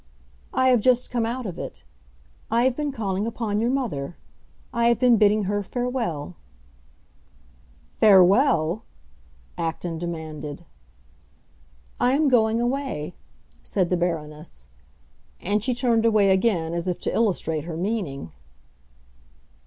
"I have just come out of it. I have been calling upon your mother. I have been bidding her farewell." "Farewell?" Acton demanded. "I am going away," said the Baroness. And she turned away again, as if to illustrate her meaning.